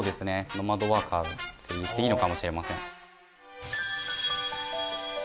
ノマドワーカーっていっていいのかもしれません。